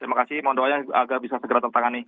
terima kasih mohon doanya agar bisa segera tertangani